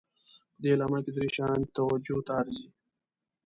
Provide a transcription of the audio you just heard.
په دې اعلامیه کې درې شیان توجه ته ارزي.